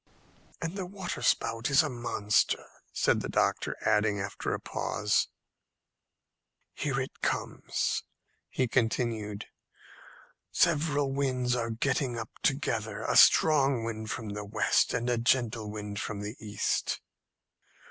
"And the waterspout is a monster," said the doctor, adding, after a pause, "Here it comes." He continued, "Several winds are getting up together a strong wind from the west, and a gentle wind from the east."